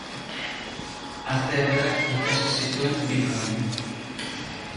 Arte Ederrak ikasi zituen Bilbon.